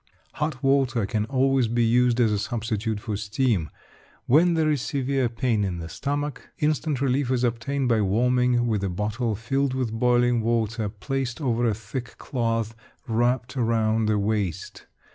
Hot water can always be used as a substitute for steam. When there is severe pain in the stomach, instant relief is obtained by warming with a bottle filled with boiling water placed over a thick cloth wrapped round the waist.